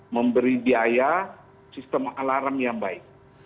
memberi biaya sistem alarm yang baik